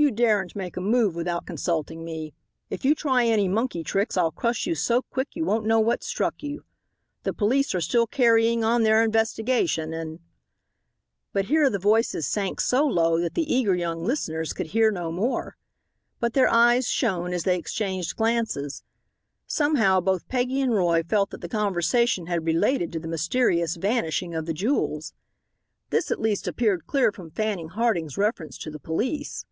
You daren't make a move without consulting me. If you try any monkey tricks I'll crush you so quick you won't know what struck you. The police are still carrying on their investigation, and " But here the voices sank so low that the eager young listeners could hear no more. But their eyes shone as they exchanged glances. Somehow both Peggy and Roy felt that the conversation had related to the mysterious vanishing of the jewels. This at least appeared clear from Fanning Harding's reference to the police.